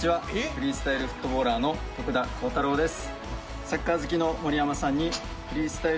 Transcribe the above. フリースタイルフットボーラーの徳田耕太郎です。